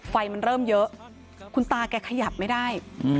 ไฟมันเริ่มเยอะคุณตาแกขยับไม่ได้